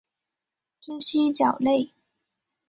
真蜥脚类。